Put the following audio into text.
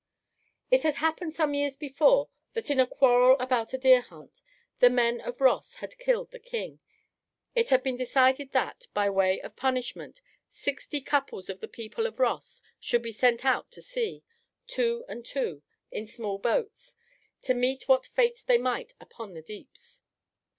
It had happened some years before that in a quarrel about a deer hunt, the men of Ross had killed the king. It had been decided that, by way of punishment, sixty couples of the people of Ross should be sent out to sea, two and two, in small boats, to meet what fate they might upon the deeps.